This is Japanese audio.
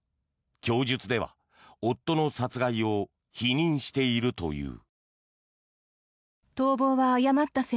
供述では夫の殺害を否認しているという。